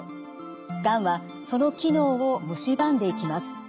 がんはその機能をむしばんでいきます。